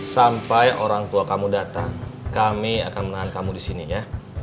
sampai orang tua kamu datang kami akan menahan kamu di sini ya